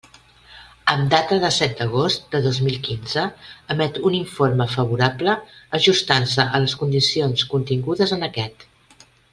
Amb data dèsset d'agost de dos mil quinze, emet un informe favorable ajustant-se a les condicions contingudes en aquest.